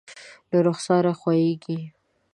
له رخسار ښویېږي